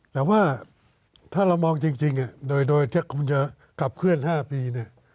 แต่ว่าถ้าเรามองจริงโดยที่จะกลับเคลื่อน๕ปี